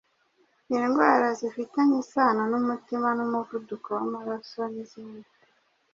indwara zifitanye isano n’umutima n’umuvuduko w’amaraso, n’izindi